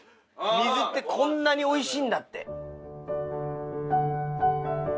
水ってこんなにおいしいんだって。